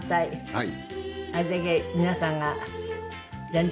はい。